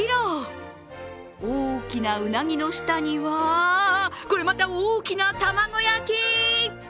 大きなうなぎの下にはこれまた大きな卵焼き。